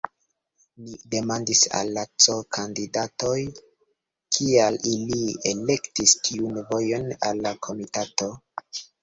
Ni demandis al la C-kandidatoj, kial ili elektis tiun vojon al la komitato.